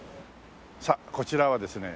さあこちらはですね